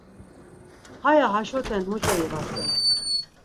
Haya haşoten muç̌o ivasen.